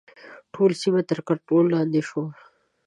ټوله سیمه تر کنټرول لاندې شوه.